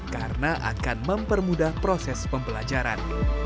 karena akan mempermudah proses pembelajaran